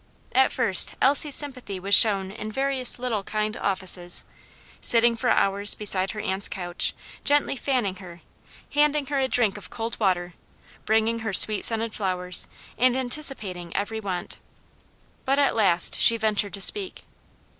At first Elsie's sympathy was shown in various little kind offices; sitting for hours beside her aunt's couch, gently fanning her, handing her a drink of cold water, bringing her sweet scented flowers, and anticipating every want. But at last she ventured to speak.